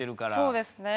そうですね。